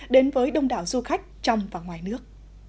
đến với đông đảo du khách trong và ngoài nước